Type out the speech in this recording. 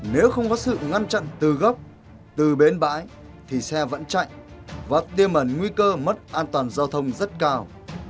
nếu không có sự ngăn chặn từ gốc từ bến bãi thì xe vẫn chạy và tiêm ẩn nguy cơ mất an toàn giao thông rất cao